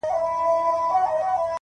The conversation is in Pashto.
• ستا غمونه مي د فكر مېلمانه سي،